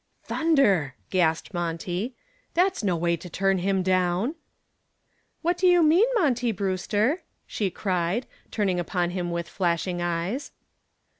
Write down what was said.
"Thunder!" gasped Monty. "That's no way to turn him down." "What do you mean, Monty Brewster?" she cried, turning upon him with flashing eyes.